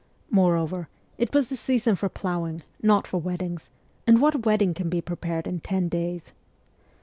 Moreover, it was the season for ploughing, not for weddings ; and what wedding can be prepared in ten days?